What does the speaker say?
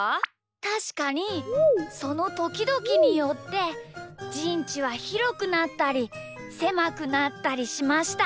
たしかにそのときどきによってじんちはひろくなったりせまくなったりしました。